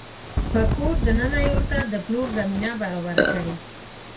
په کور دننه يې ورته د پلور زمینه برابره کړې